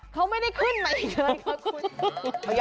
เขาไม่ได้ขึ้นมาอีกเลย